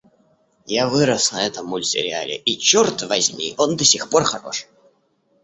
Я вырос на этом мультсериале и, чёрт возьми, он до сих пор хорош!